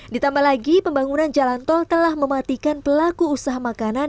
ditambah lagi pembangunan jalan tol telah mematikan pelaku usaha makanan